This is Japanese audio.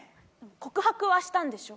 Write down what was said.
告白はしたんでしょ？